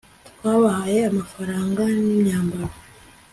twabahaye amafaranga n'imyambaro